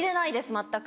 全く。